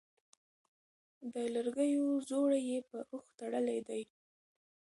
د لرګيو ځوړی يې په واښ تړلی دی